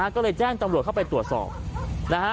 ก็เลยแจ้งจำรวจเข้าไปตรวจสอบนะฮะ